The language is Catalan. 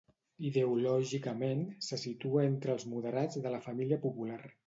Ideològicament, se situa entre els moderats de la família popular.